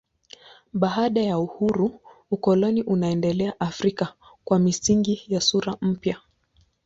Baada ya uhuru ukoloni unaendelea Afrika kwa misingi na sura mpya.